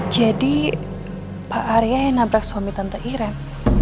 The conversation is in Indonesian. jadi pak arya yang nabrak suami tante irem